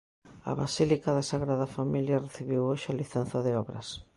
A basílica da Sagrada Familia recibiu hoxe a licenza de obras.